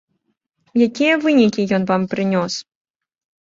Якія вынікі ён вам прынёс?